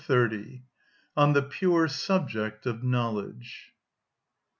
(10) On The Pure Subject Of Knowledge.